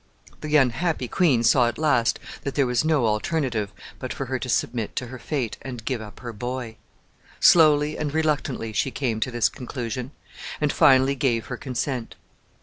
The unhappy queen saw at last that there was no alternative but for her to submit to her fate and give up her boy. Slowly and reluctantly she came to this conclusion, and finally gave her consent.